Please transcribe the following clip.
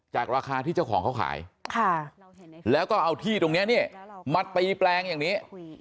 ราคาที่เจ้าของเขาขายแล้วก็เอาที่ตรงนี้เนี่ยมาตีแปลงอย่างนี้